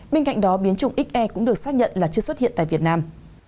bên cạnh đó biến chủng xe cũng được xác nhận là chưa xuất hiện tại việt nam